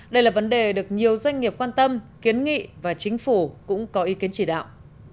đây là vấn đề được nhiều doanh nghiệp quan tâm kiến nghị và chính phủ cũng có ý kiến chỉ đạo